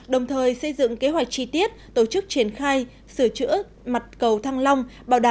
đồng thời xây dựng kế hoạch chi tiết tổ chức triển khai sửa chữa mặt cầu thăng long